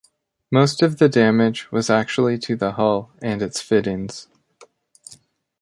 Most of the damage was actually to the hull and its fittings.